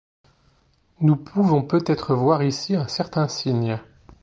Nous pouvons peut-être voir ici un certain signe.